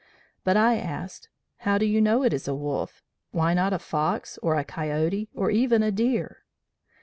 But I asked, 'how do you know it is wolf; why not a fox, or a coyote, or even a deer?'